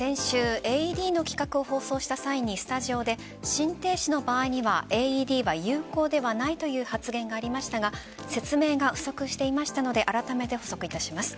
先週、ＡＥＤの企画を放送した際にスタジオで心停止の場合にはＡＥＤは有効ではないという発言がありましたが説明が不足していましたのであらためて補足します。